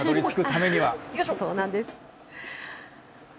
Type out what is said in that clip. そうなんです。